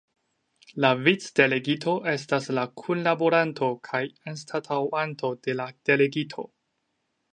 La Vicdelegito estas la kunlaboranto kaj anstataŭanto de la Delegito.